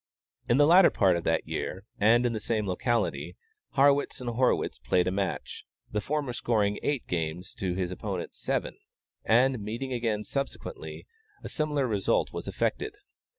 In the latter part of that year, and in the same locality, Harrwitz and Hörwitz played a match, the former scoring eight games to his opponent's seven; and, meeting again subsequently, a similar result was effected.